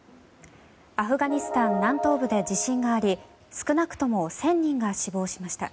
アフガニスタン南東部で地震があり少なくとも１０００人が死亡しました。